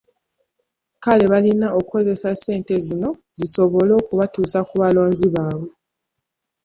Kale balina okukozesa ssente zino zisobole okubatuusa ku balonzi baabwe.